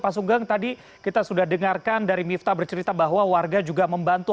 pak sugeng tadi kita sudah dengarkan dari miftah bercerita bahwa warga juga membantu